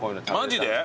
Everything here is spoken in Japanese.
マジで？